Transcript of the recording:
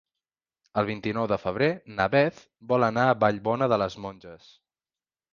El vint-i-nou de febrer na Beth vol anar a Vallbona de les Monges.